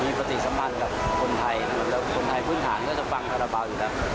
มีปฏิสัมพันธ์กับคนไทยนะครับแล้วคนไทยพื้นฐานก็จะฟังคาราบาลอยู่แล้ว